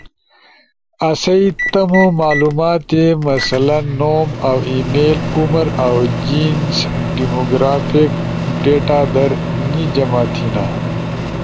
آسئی تمو معلومات مثلاً نوم اؤ ای میل، عمر اؤ جنس ڈیمو گرافک ڈیٹا در نی جمع تھینا،